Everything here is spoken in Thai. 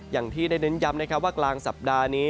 อย่างที่ได้เน้นย้ำนะครับว่ากลางสัปดาห์นี้